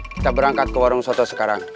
kita berangkat ke warung soto sekarang